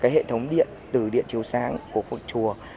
hệ thống điện từ điện chiều sáng của phòng chùa